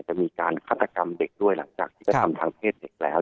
จะมีการฆาตกรรมเด็กด้วยหลังจากที่กระทำทางเพศเด็กแล้ว